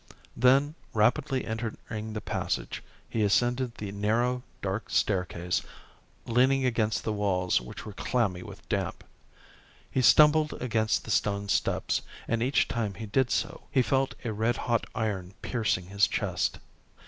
Then, rapidly entering the passage, he ascended the narrow, dark staircase, leaning against the walls which were clammy with damp. He stumbled against the stone steps, and each time he did so, he felt a red hot iron piercing his chest.